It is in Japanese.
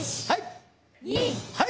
はい。